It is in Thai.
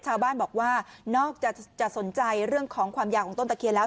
ชาวบ้านบอกว่านอกจากจะสนใจเรื่องของความยาวของต้นตะเคียนแล้ว